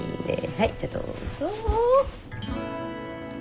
はいじゃあどうぞ。